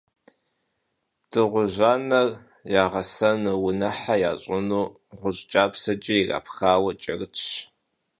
Дыгъужь анэр ягъэӀэсэну, унэхьэ ящӀыну гъущӀ кӀапсэкӀэ ирапхауэ кӀэрытщ.